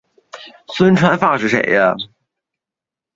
希格斯玻色子的出现对于夸克星的稳定结构有重要的影响。